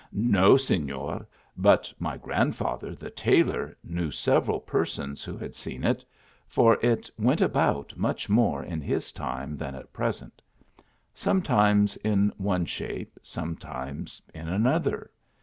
" "No, sefior; but my grandfather, the tailor, knew several persons who had seen it; for it went shout much more in his time than at present: sometimes* in one shape, sometimes in another.